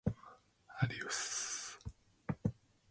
Arius himself attended the council, as did his bishop, Alexander.